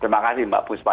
terima kasih mbak puspa